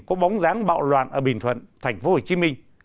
có bóng dáng bạo loạn ở bình thuận tp hcm